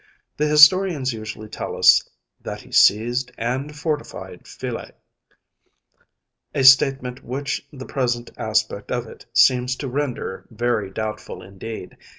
The historians usually tell us “that he seized and fortified Phyle‚ÄĚ; a statement which the present aspect of it seems to render very doubtful indeed.